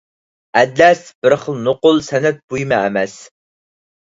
ئەتلەس بىر خىل نوقۇل سەنئەت بۇيۇمى ئەمەس.